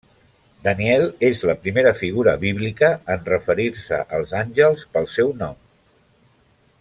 Daniel és la primera figura bíblica en referir-se als àngels pel seu nom.